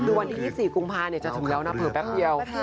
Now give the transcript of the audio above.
วันที่๒๔กรุงพาที่จะถึงแล้วนะเพิ่มแป๊บเดียว